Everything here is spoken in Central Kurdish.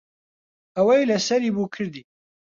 ئەوەی لەسەری بوو کردی.